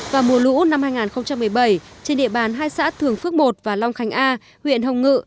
vào mùa lũ năm hai nghìn một mươi bảy trên địa bàn hai xã thường phước một và long khánh a huyện hồng ngự